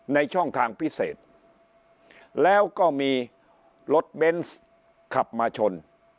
ในช่องทางพิเศษแล้วก็มีรถเบนส์ขับมาชน